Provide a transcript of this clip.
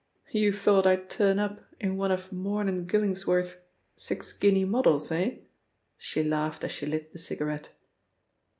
"You thought I'd turn up in one of Morne & Gillingsworth's six guinea models, eh?" she laughed as she lit the cigarette.